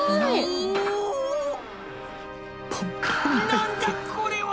何だこれは！？